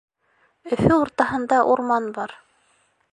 Өфө уртаһында урман бар.